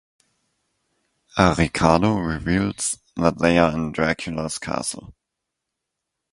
Arikado reveals that they are in Dracula's castle.